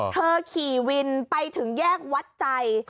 ขี่วินไปถึงแยกวัดใจ